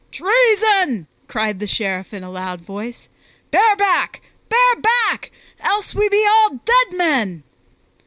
"Treason!" cried the Sheriff in a loud voice. "Bear back! Bear back! Else we be all dead men!"